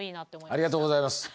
ありがとうございます。